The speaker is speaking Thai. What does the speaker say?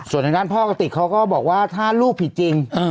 ส่วนทางด้านพ่อกะติกเขาก็บอกว่าถ้าลูกผิดจริง